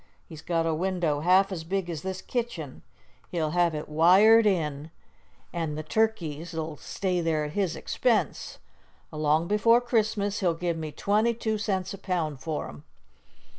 He's got a window half as big as this kitchen. He'll have it wired in, an' the turkeys'll stay there at his expense. Along before Christmas he'll give me twenty two cents a pound for 'em."